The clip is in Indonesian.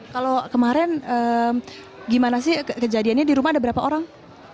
kalau kemarin gimana sih kejadiannya di rumah ada berapa orang